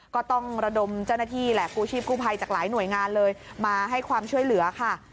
ก็ต้องระดมเจ้าหน้าที่แหละกู้ชีพกู้ภัยจากหลายหน่วยงานเลยมาให้ความช่วยเหลือค่ะ